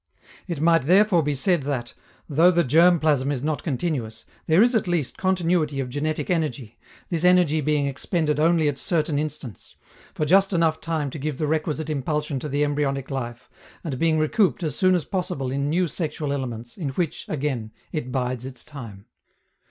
It might therefore be said that, though the germ plasm is not continuous, there is at least continuity of genetic energy, this energy being expended only at certain instants, for just enough time to give the requisite impulsion to the embryonic life, and being recouped as soon as possible in new sexual elements, in which, again, it bides its time.